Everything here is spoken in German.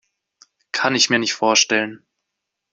Kann ich mir nicht vorstellen.